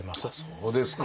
そうですか。